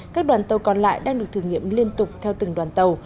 các đoàn tàu còn lại đang được thử nghiệm liên tục theo từng đoàn tàu